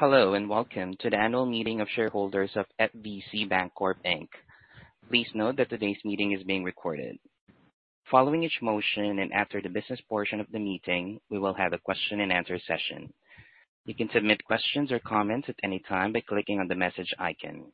Hello, and welcome to the annual meeting of shareholders of FVCbankcorp, Inc. Please note that today's meeting is being recorded. Following each motion and after the business portion of the meeting, we will have a question and answer session. You can submit questions or comments at any time by clicking on the message icon.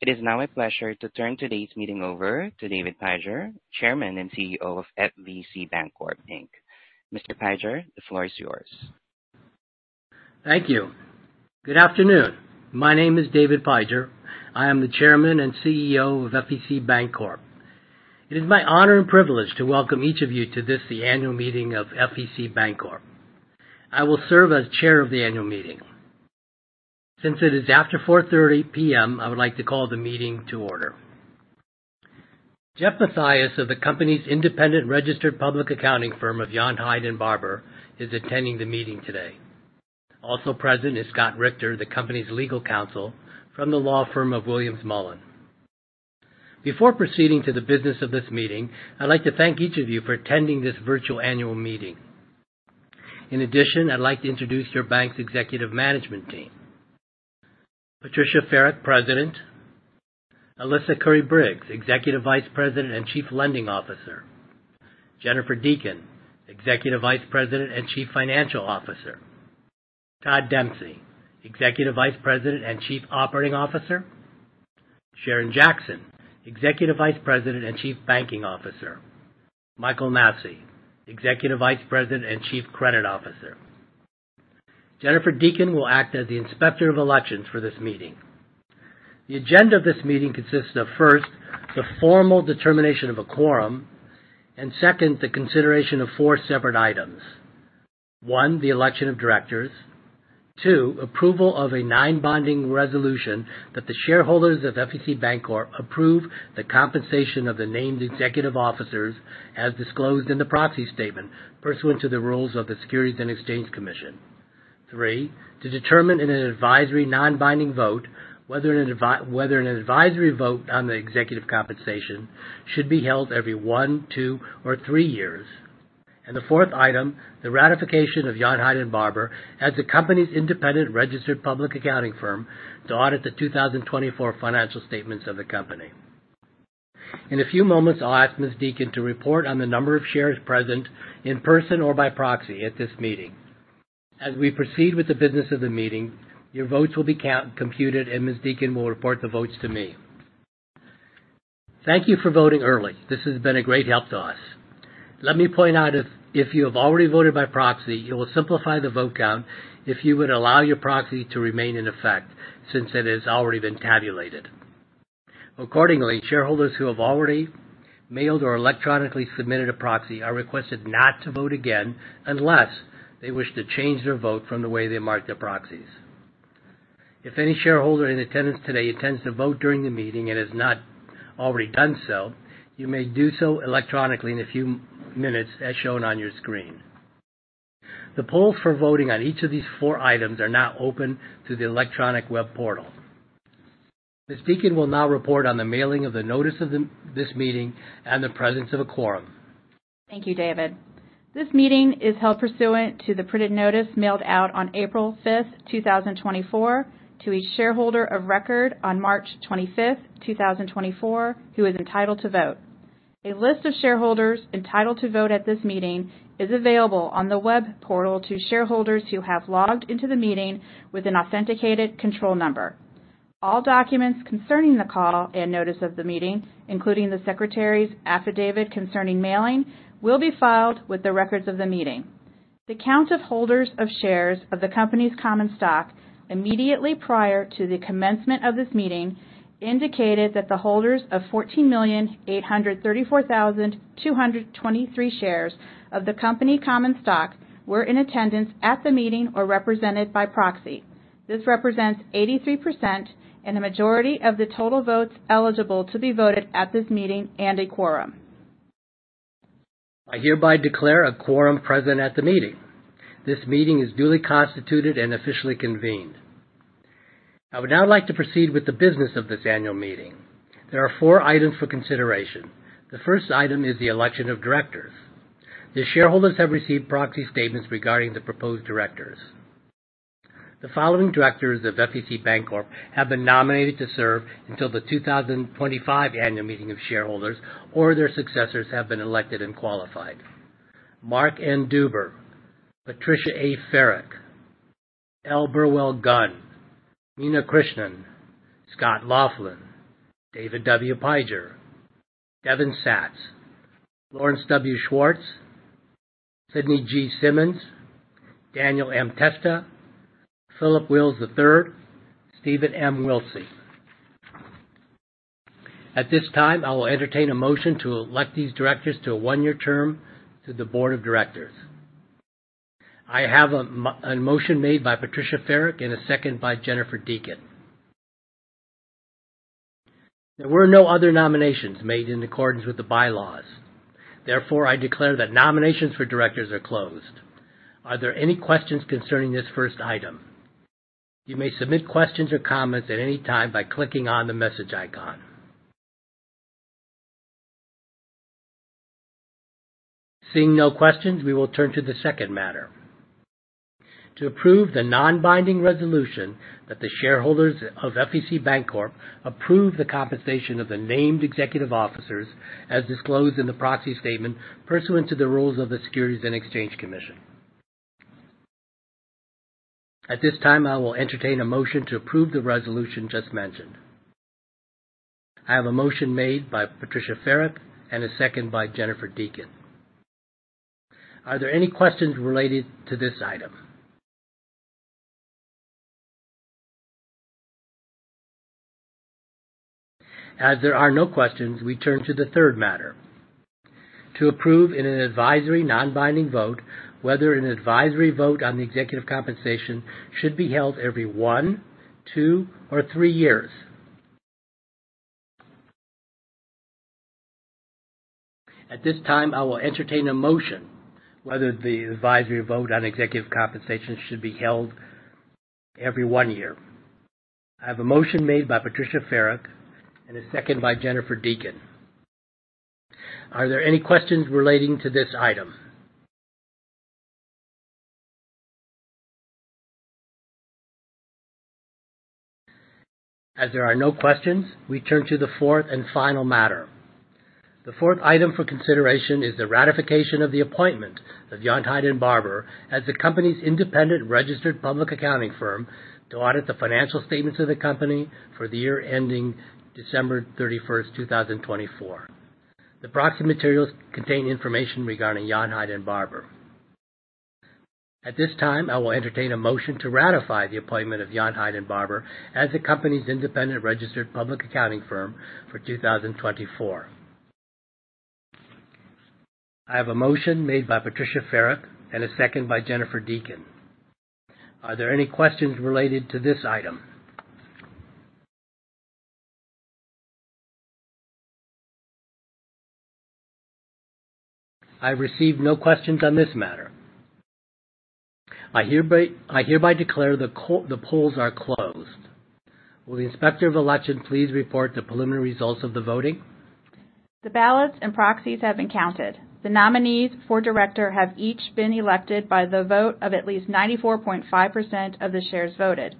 It is now my pleasure to turn today's meeting over to David Pijor, Chairman and CEO of FVCbankcorp, Inc. Mr. Pijor, the floor is yours. Thank you. Good afternoon. My name is David Pijor. I am the Chairman and CEO of FVCbankcorp. It is my honor and privilege to welcome each of you to this, the annual meeting of FVCbankcorp. I will serve as chair of the annual meeting. Since it is after 4:30 P.M., I would like to call the meeting to order. Jeff Matthias of the company's independent registered public accounting firm of Yount, Hyde & Barbour is attending the meeting today. Also present is Scott Richter, the company's legal counsel from the law firm of Williams Mullen. Before proceeding to the business of this meeting, I'd like to thank each of you for attending this virtual annual meeting. In addition, I'd like to introduce your bank's executive management team. Patricia Ferrick, President. Alyssa Curry-Briggs, Executive Vice President and Chief Lending Officer. Jennifer Deacon, Executive Vice President and Chief Financial Officer. Todd Dempsey, Executive Vice President and Chief Operating Officer. Sharon Jackson, Executive Vice President and Chief Banking Officer. Michael Massey, Executive Vice President and Chief Credit Officer. Jennifer Deacon will act as the Inspector of Elections for this meeting. The agenda of this meeting consists of, first, the formal determination of a quorum, and second, the consideration of four separate items. One, the election of directors. Two, approval of a non-binding resolution that the shareholders of FVCbankcorp approve the compensation of the named executive officers, as disclosed in the proxy statement, pursuant to the rules of the Securities and Exchange Commission. Three, to determine in an advisory, non-binding vote whether an advisory vote on the executive compensation should be held every one, two, or three years. The fourth item, the ratification of Yount, Hyde & Barbour as the company's independent registered public accounting firm to audit the 2024 financial statements of the company. In a few moments, I'll ask Ms. Deacon to report on the number of shares present, in person or by proxy, at this meeting. As we proceed with the business of the meeting, your votes will be count, computed, and Ms. Deacon will report the votes to me. Thank you for voting early. This has been a great help to us. Let me point out, if you have already voted by proxy, it will simplify the vote count if you would allow your proxy to remain in effect since it has already been tabulated. Accordingly, shareholders who have already mailed or electronically submitted a proxy are requested not to vote again unless they wish to change their vote from the way they marked their proxies. If any shareholder in attendance today intends to vote during the meeting and has not already done so, you may do so electronically in a few minutes, as shown on your screen. The polls for voting on each of these four items are now open through the electronic web portal. Ms. Deacon will now report on the mailing of the notice of this meeting and the presence of a quorum. Thank you, David. This meeting is held pursuant to the printed notice mailed out on April 5th, 2024, to each shareholder of record on March 25th, 2024, who is entitled to vote. A list of shareholders entitled to vote at this meeting is available on the web portal to shareholders who have logged into the meeting with an authenticated control number. All documents concerning the call and notice of the meeting, including the secretary's affidavit concerning mailing, will be filed with the records of the meeting. The count of holders of shares of the company's common stock immediately prior to the commencement of this meeting indicated that the holders of 14,834,223 shares of the company common stock were in attendance at the meeting or represented by proxy. This represents 83% and a majority of the total votes eligible to be voted at this meeting and a quorum. I hereby declare a quorum present at the meeting. This meeting is duly constituted and officially convened. I would now like to proceed with the business of this annual meeting. There are four items for consideration. The first item is the election of directors. The shareholders have received proxy statements regarding the proposed directors. The following directors of FVCbankcorp have been nominated to serve until the 2025 annual meeting of shareholders or their successors have been elected and qualified. Mark Duber, Patricia A. Ferrick, L. Burwell Gunn, Meena Krishnan, Scott Laughlin, David W. Pijor, Devin Satz, Lawrence Schwartz, Sydney Simmons, Daniel Testa, Philip Wills III, Steven Wilsey. At this time, I will entertain a motion to elect these directors to a one-year term to the board of directors. I have a motion made by Patricia Ferrick and a second by Jennifer Deacon. There were no other nominations made in accordance with the bylaws. Therefore, I declare that nominations for directors are closed. Are there any questions concerning this first item? You may submit questions or comments at any time by clicking on the message icon. Seeing no questions, we will turn to the second matter. To approve the non-binding resolution that the shareholders of FVCbankcorp approve the compensation of the named executive officers, as disclosed in the proxy statement, pursuant to the rules of the Securities and Exchange Commission. At this time, I will entertain a motion to approve the resolution just mentioned. I have a motion made by Patricia Ferrick and a second by Jennifer Deacon. Are there any questions related to this item? As there are no questions, we turn to the third matter. To approve in an advisory non-binding vote whether an advisory vote on the executive compensation should be held every 1, 2, or 3 years. At this time, I will entertain a motion whether the advisory vote on executive compensation should be held every 1 year. I have a motion made by Patricia Ferrick and a second by Jennifer Deacon. Are there any questions relating to this item? As there are no questions, we turn to the fourth and final matter. The fourth item for consideration is the ratification of the appointment of Yount, Hyde & Barbour as the company's independent registered public accounting firm to audit the financial statements of the company for the year ending December 31st, 2024. The proxy materials contain information regarding Yount, Hyde & Barbour. At this time, I will entertain a motion to ratify the appointment of Yount, Hyde & Barbour as the company's independent registered public accounting firm for 2024. I have a motion made by Patricia Ferrick and a second by Jennifer Deacon. Are there any questions related to this item? I receive no questions on this matter. I hereby declare the polls are closed. Will the Inspector of Election please report the preliminary results of the voting? The ballots and proxies have been counted. The nominees for director have each been elected by the vote of at least 94.5% of the shares voted.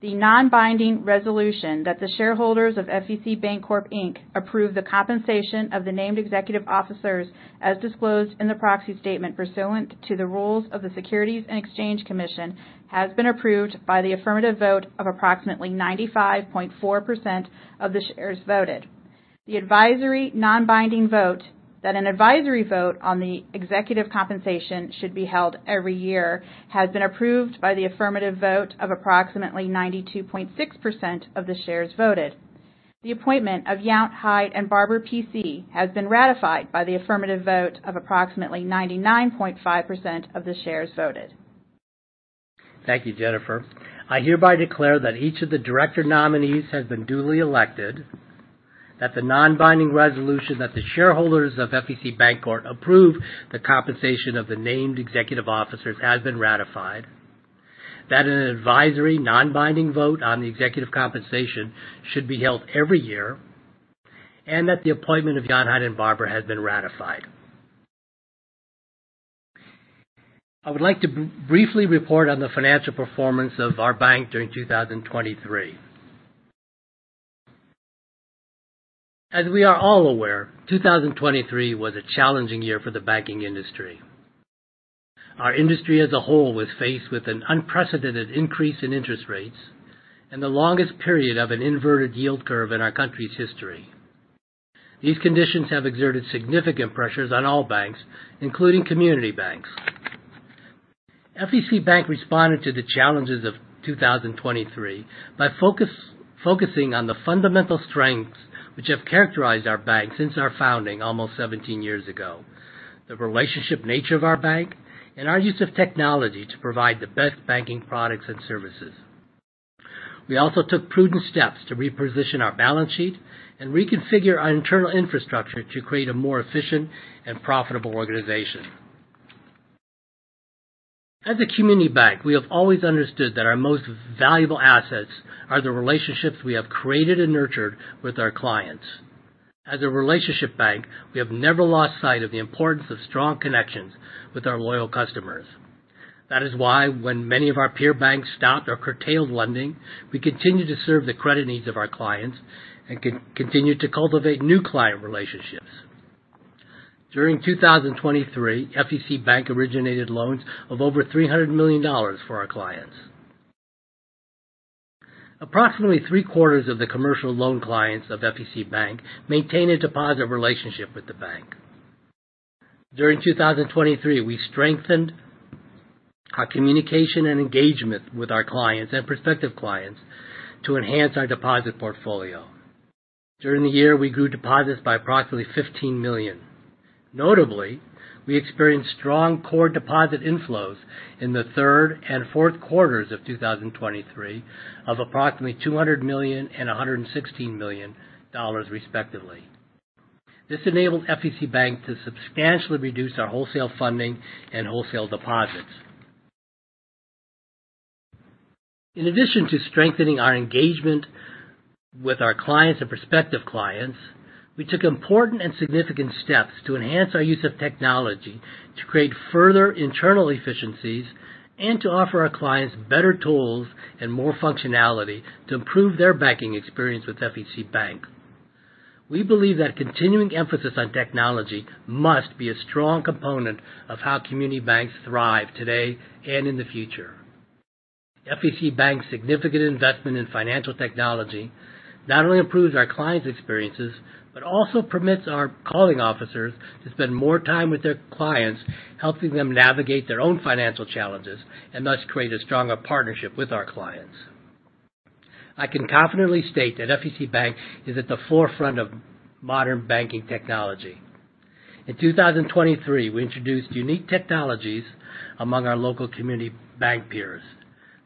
The non-binding resolution that the shareholders of FVCbankcorp, Inc. approve the compensation of the named executive officers, as disclosed in the proxy statement pursuant to the rules of the Securities and Exchange Commission, has been approved by the affirmative vote of approximately 95.4% of the shares voted. The advisory non-binding vote that an advisory vote on the executive compensation should be held every year, has been approved by the affirmative vote of approximately 92.6% of the shares voted. The appointment of Yount, Hyde & Barbour has been ratified by the affirmative vote of approximately 99.5% of the shares voted. Thank you, Jennifer. I hereby declare that each of the director nominees has been duly elected, that the non-binding resolution that the shareholders of FVCbankcorp approve the compensation of the named executive officers has been ratified, that an advisory non-binding vote on the executive compensation should be held every year, and that the appointment of Yount, Hyde & Barbour has been ratified. I would like to briefly report on the financial performance of our bank during 2023. As we are all aware, 2023 was a challenging year for the banking industry. Our industry as a whole was faced with an unprecedented increase in interest rates and the longest period of an inverted yield curve in our country's history. These conditions have exerted significant pressures on all banks, including community banks. FVCbank responded to the challenges of 2023 by focusing on the fundamental strengths which have characterized our bank since our founding almost 17 years ago, the relationship nature of our bank, and our use of technology to provide the best banking products and services. We also took prudent steps to reposition our balance sheet and reconfigure our internal infrastructure to create a more efficient and profitable organization. As a community bank, we have always understood that our most valuable assets are the relationships we have created and nurtured with our clients. As a relationship bank, we have never lost sight of the importance of strong connections with our loyal customers. That is why when many of our peer banks stopped or curtailed lending, we continued to serve the credit needs of our clients and continued to cultivate new client relationships. During 2023, FVCbank originated loans of over $300 million for our clients. Approximately 3/4 of the commercial loan clients of FVCbank maintain a deposit relationship with the bank. During 2023, we strengthened our communication and engagement with our clients and prospective clients to enhance our deposit portfolio. During the year, we grew deposits by approximately $15 million. Notably, we experienced strong core deposit inflows in the third and fourth quarters of 2023 of approximately $200 million and $116 million, respectively. This enabled FVCbank to substantially reduce our wholesale funding and wholesale deposits.... In addition to strengthening our engagement with our clients and prospective clients, we took important and significant steps to enhance our use of technology to create further internal efficiencies and to offer our clients better tools and more functionality to improve their banking experience with FVCbank. We believe that continuing emphasis on technology must be a strong component of how community banks thrive today and in the future. FVCbank's significant investment in financial technology not only improves our clients' experiences, but also permits our calling officers to spend more time with their clients, helping them navigate their own financial challenges, and thus create a stronger partnership with our clients. I can confidently state that FVCbank is at the forefront of modern banking technology. In 2023, we introduced unique technologies among our local community bank peers.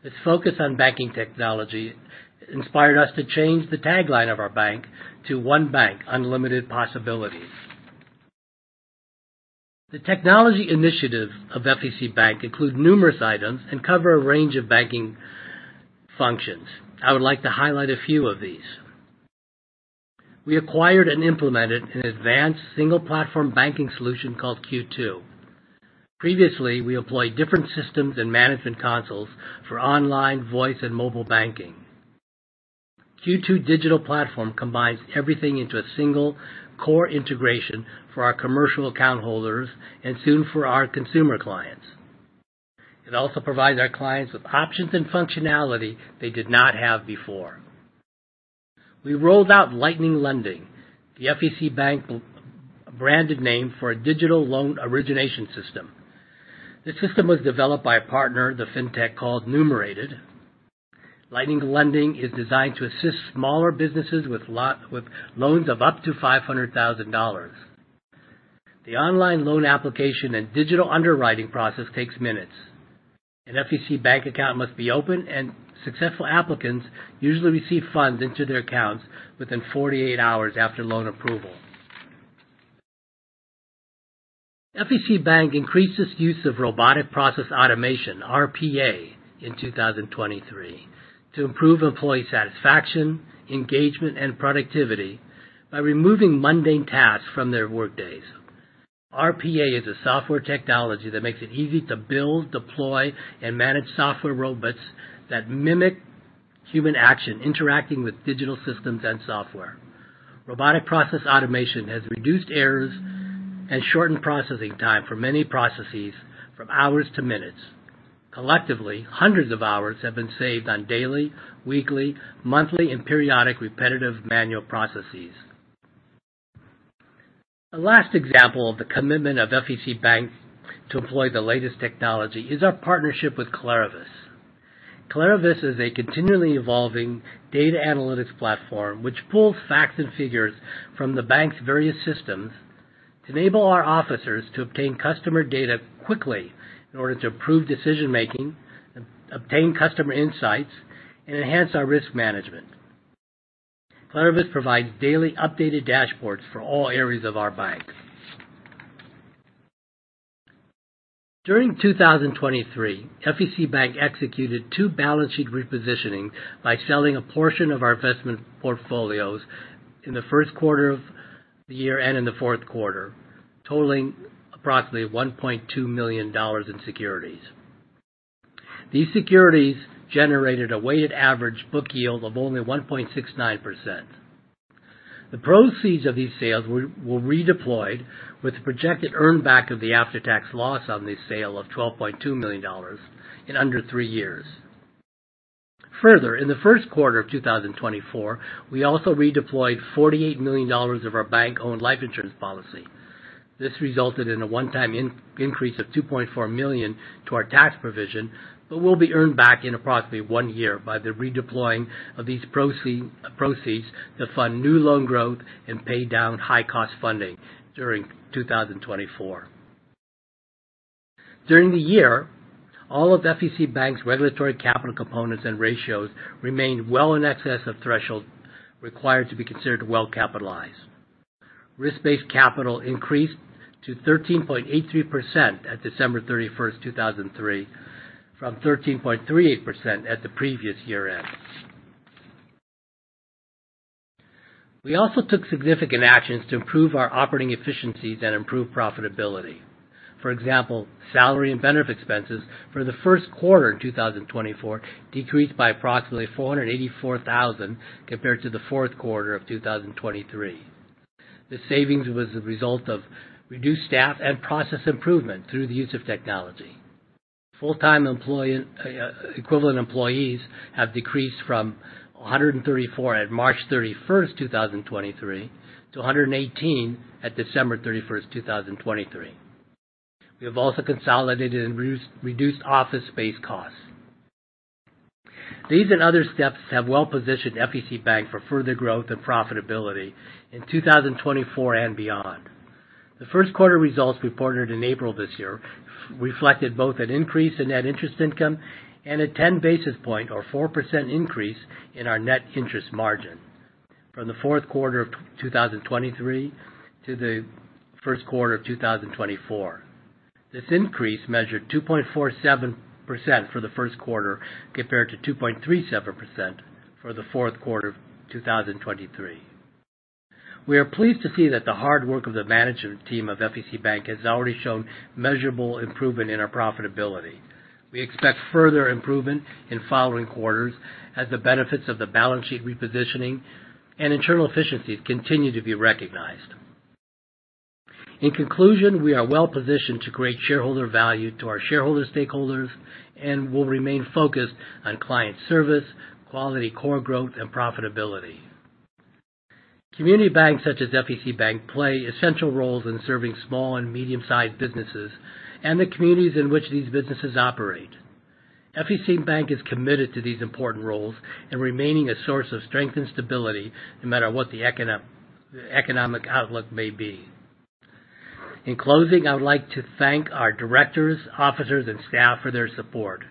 This focus on banking technology inspired us to change the tagline of our bank to, "One Bank, Unlimited Possibilities." The technology initiative of FVCbank include numerous items and cover a range of banking functions. I would like to highlight a few of these. We acquired and implemented an advanced single platform banking solution called Q2. Previously, we employed different systems and management consoles for online, voice, and mobile banking. Q2 digital platform combines everything into a single core integration for our commercial account holders and soon for our consumer clients. It also provides our clients with options and functionality they did not have before. We rolled out Lightning Lending, the FVCbank branded name for a digital loan origination system. This system was developed by a partner, the Fintech called Numerated. Lightning Lending is designed to assist smaller businesses with loans of up to $500,000. The online loan application and digital underwriting process takes minutes. An FVCbank account must be open, and successful applicants usually receive funds into their accounts within 48 hours after loan approval. FVCbank increased its use of robotic process automation, RPA, in 2023 to improve employee satisfaction, engagement, and productivity by removing mundane tasks from their work days. RPA is a software technology that makes it easy to build, deploy, and manage software robots that mimic human action, interacting with digital systems and software. Robotic process automation has reduced errors and shortened processing time for many processes, from hours to minutes. Collectively, hundreds of hours have been saved on daily, weekly, monthly, and periodic repetitive manual processes. The last example of the commitment of FVCbank to employ the latest technology is our partnership with KlariVis. KlariVis is a continually evolving data analytics platform, which pulls facts and figures from the bank's various systems to enable our officers to obtain customer data quickly in order to improve decision-making, obtain customer insights, and enhance our risk management. KlariVis provides daily updated dashboards for all areas of our bank. During 2023, FVCbank executed two balance sheet repositioning by selling a portion of our investment portfolios in the first quarter of the year and in the fourth quarter, totaling approximately $1.2 million in securities. These securities generated a weighted average book yield of only 1.69%. The proceeds of these sales were redeployed with the projected earn back of the after-tax loss on the sale of $12.2 million in under three years. Further, in the first quarter of 2024, we also redeployed $48 million of our bank-owned life insurance policy. This resulted in a one-time increase of $2.4 million to our tax provision, but will be earned back in approximately one year by the redeploying of these proceeds to fund new loan growth and pay down high cost funding during 2024. During the year, all of FVCbank's regulatory capital components and ratios remained well in excess of thresholds required to be considered well capitalized. Risk-based capital increased to 13.83% at December 31st, 2023, from 13.38% at the previous year end. We also took significant actions to improve our operating efficiencies and improve profitability. For example, salary and benefit expenses for the first quarter in 2024 decreased by approximately $484,000 compared to the fourth quarter of 2023. The savings was a result of reduced staff and process improvement through the use of technology. Full-time employee equivalent employees have decreased from 134 at March 31st, 2023, to 118 at December 31st, 2023. We have also consolidated and reduced office space costs. These and other steps have well-positioned FVCbank for further growth and profitability in 2024 and beyond. The first quarter results reported in April this year reflected both an increase in net interest income and a 10 basis point, or 4% increase, in our net interest margin. From the fourth quarter of 2023 to the first quarter of 2024. This increase measured 2.47% for the first quarter, compared to 2.37% for the fourth quarter of 2023. We are pleased to see that the hard work of the management team of FVCbank has already shown measurable improvement in our profitability. We expect further improvement in following quarters as the benefits of the balance sheet repositioning and internal efficiencies continue to be recognized. In conclusion, we are well-positioned to create shareholder value to our shareholder, stakeholders, and will remain focused on client service, quality, core growth, and profitability. Community banks, such as FVCbank, play essential roles in serving small and medium-sized businesses and the communities in which these businesses operate. FVCbank is committed to these important roles and remaining a source of strength and stability, no matter what the economic outlook may be. In closing, I would like to thank our directors, officers, and staff for their support.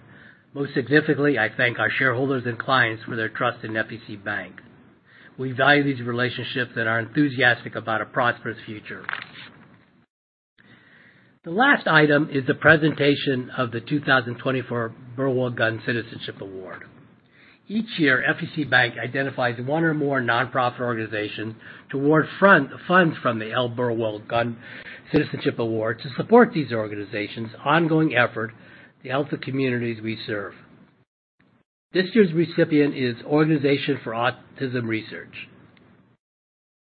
Most significantly, I thank our shareholders and clients for their trust in FVCbank. We value these relationships and are enthusiastic about a prosperous future. The last item is the presentation of the 2024 Burwell Gunn Citizenship Award. Each year, FVCbank identifies one or more nonprofit organizations to award funds from the L. Burwell Gunn Citizenship Award to support these organizations' ongoing effort to help the communities we serve. This year's recipient is Organization for Autism Research.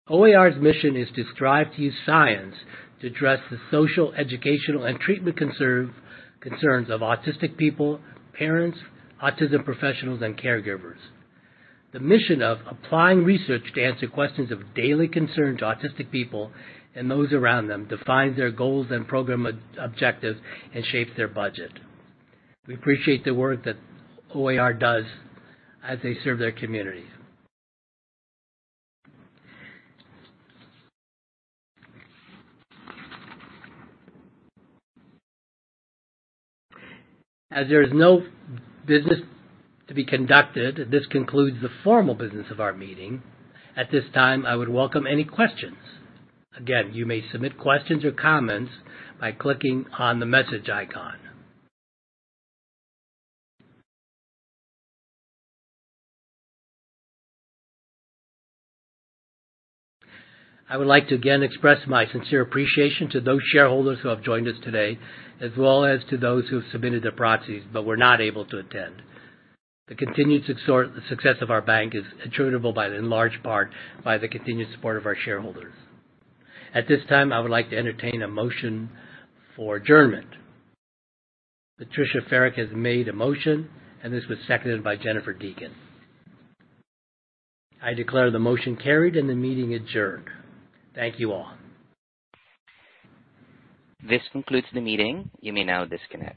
OAR's mission is to strive to use science to address the social, educational, and treatment concerns of autistic people, parents, autism professionals, and caregivers. The mission of applying research to answer questions of daily concern to autistic people and those around them defines their goals and program objectives and shapes their budget. We appreciate the work that OAR does as they serve their communities. As there is no business to be conducted, this concludes the formal business of our meeting. At this time, I would welcome any questions. Again, you may submit questions or comments by clicking on the message icon. I would like to again express my sincere appreciation to those shareholders who have joined us today, as well as to those who have submitted their proxies but were not able to attend. The continued success, success of our bank is attributable by in large part by the continued support of our shareholders. At this time, I would like to entertain a motion for adjournment. Patricia Ferrick has made a motion, and this was seconded by Jennifer Deacon. I declare the motion carried and the meeting adjourned. Thank you, all. This concludes the meeting. You may now disconnect.